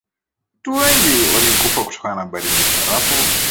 watu wengi walikufa kutokana na baridi ya barafu